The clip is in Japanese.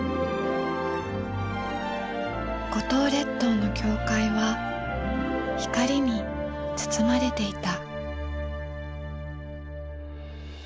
五島列島の教会は光に包まれていた。